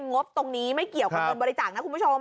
งบตรงนี้ไม่เกี่ยวกับเงินบริจาคนะคุณผู้ชม